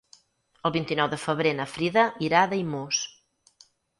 El vint-i-nou de febrer na Frida irà a Daimús.